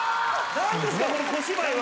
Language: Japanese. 何ですかこの小芝居は。